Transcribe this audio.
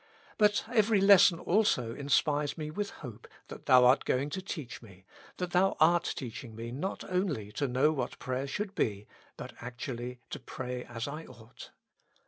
But every lesson also inspires me with hope that Thou art going to teach me, that Thou art teaching me not only to know what prayer should be, but actually to pray as I ought.